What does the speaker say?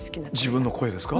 自分の声ですか？